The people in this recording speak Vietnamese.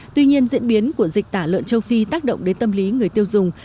tuy nhiên diễn biến của dịch tả lợn châu phi tác động đến tâm lý người tiêu dùng